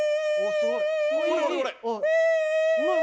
すごい。